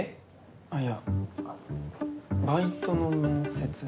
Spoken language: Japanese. あっいやバイトの面接。